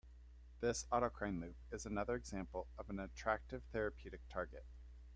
This autocrine loop is another example of an attractive therapeutic target.